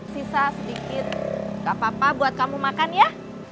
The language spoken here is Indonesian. sisa sedikit gapapa buat kamu makan ya